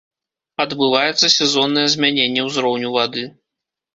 Адбываецца сезоннае змяненне ўзроўню вады.